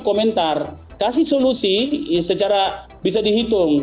komentar kasih solusi secara bisa dihitung